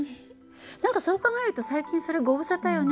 何かそう考えると最近それご無沙汰よね。